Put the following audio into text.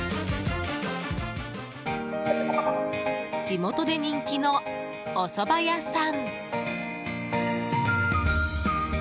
地元で人気のおそば屋さん。